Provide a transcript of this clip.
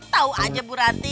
tahu aja bu ranti